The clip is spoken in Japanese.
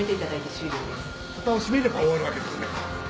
フタを閉めれば終わるわけですね。